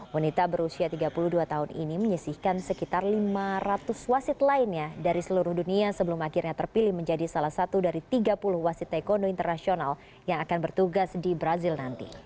wanita berusia tiga puluh dua tahun ini menyisihkan sekitar lima ratus wasit lainnya dari seluruh dunia sebelum akhirnya terpilih menjadi salah satu dari tiga puluh wasit taekwondo internasional yang akan bertugas di brazil nanti